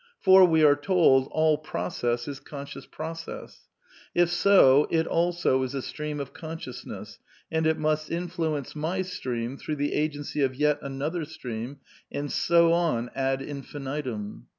(For, we are told, all process is conscious process.) If so, it also is a stream of consciousness, and it must influence my stream through the agency of yet another stream, and so on ad infinitum.